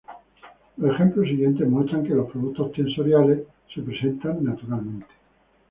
Los ejemplos siguientes muestran que los productos tensoriales se presentan naturalmente.